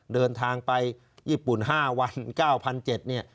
เดินทางไปญี่ปุ่น๕วัน๙๗๐๐เนี่ย